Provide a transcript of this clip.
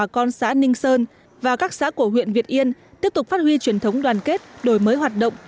con xã ninh sơn và các xã của huyện việt yên tiếp tục phát huy truyền thống đoàn kết đổi mới hoạt động